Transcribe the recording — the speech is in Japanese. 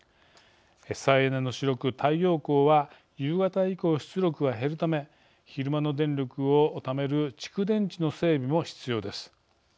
再エネの主力太陽光は夕方以降、出力が減るため昼間の電力をためる蓄電池の整備も必要です。